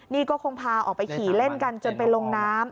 นี่ก็คงพาออกไปขี่เล่นกันจนไปลงน้ำ